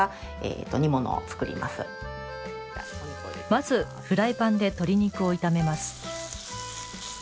まず、フライパンで鶏肉を炒めます。